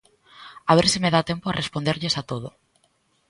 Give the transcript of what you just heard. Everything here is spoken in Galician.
A ver se me dá tempo a responderlles a todo.